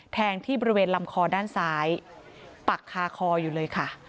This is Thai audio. แทงที่บริเวณลำคอด้านซ้ายปักคาคออยู่เลยค่ะ